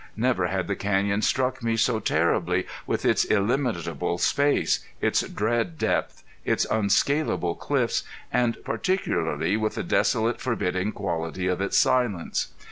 Never had the canyon struck me so terribly with its illimitable space, its dread depth, its unscalable cliffs, and particularly with the desolate, forbidding quality of its silence.